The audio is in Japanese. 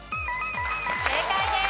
正解です。